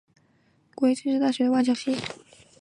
邱进益早年毕业于国立政治大学外交系。